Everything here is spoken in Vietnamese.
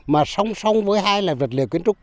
mà song song với hai là vật liệu kiến trúc